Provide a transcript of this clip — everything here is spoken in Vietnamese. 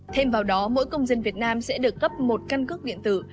thêm vào đó mỗi công dân việt nam sẽ được cấp một căn cước điện tử